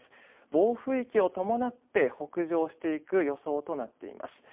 暴風域を伴って北上していく予想となっています。